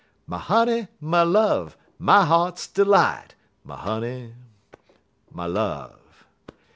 My honey, my love, my heart's delight My honey, my love!